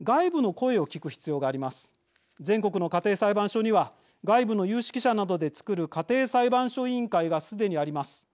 全国の家庭裁判所には外部の有識者などでつくる家庭裁判所委員会がすでにあります。